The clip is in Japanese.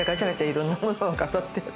いろんなものを飾って。